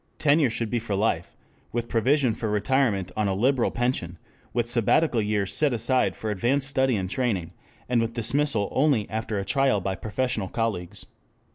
Tenure should be for life, with provision for retirement on a liberal pension, with sabbatical years set aside for advanced study and training, and with dismissal only after a trial by professional colleagues.